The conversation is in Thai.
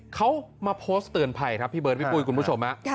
เขามาโพสต์เตือนภัยครับพี่เบิร์ดพี่ปุ้ยคุณผู้ชม